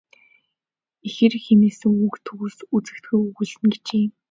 Ихэр хэмээсэн үг төгс үзэгдэхүйг өгүүлсэн нь." гэжээ.